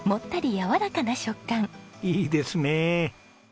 いいですねえ。